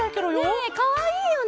ねっかわいいよね。